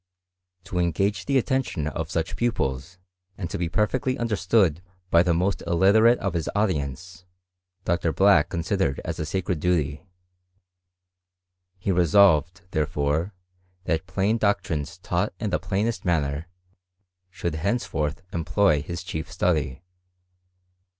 To en gage the attention of such pupils, and to be perfectly understood by the most illiterate of his audience. Dr. Black considered as a sacred duty: he resolved, therefore, that plain doctrines taught in the plainest manner, should henceforth employ his chief study.